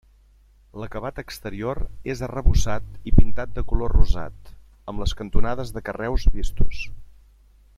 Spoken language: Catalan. L'acabat exterior és arrebossat i pintat de color rosat, amb les cantonades de carreus vistos.